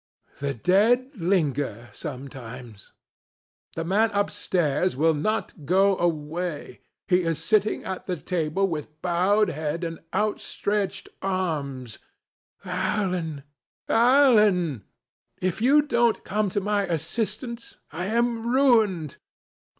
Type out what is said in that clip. "The dead linger sometimes. The man upstairs will not go away. He is sitting at the table with bowed head and outstretched arms. Alan! Alan! If you don't come to my assistance, I am ruined.